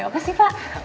apa sih pak